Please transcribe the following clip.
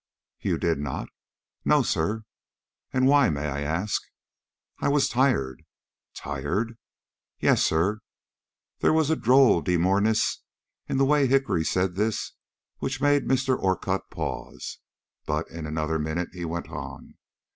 "You did not?" "No, sir." "And why, may I ask?" "I was tired." "Tired?" "Yes, sir." There was a droll demureness in the way Hickory said this which made Mr. Orcutt pause. But in another minute he went on.